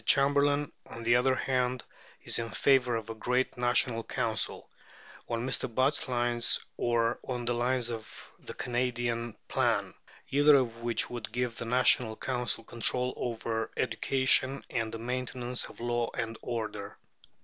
Chamberlain, on the other hand, is in favour of a great National Council, on Mr. Butt's lines or on the lines of the Canadian plan; either of which would give the National Council control over education and the maintenance of law and order.